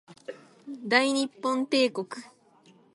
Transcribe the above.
大日本帝国